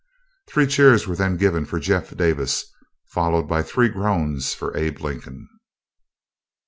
Three cheers were then given for Jeff Davis, followed by three groans for Abe Lincoln.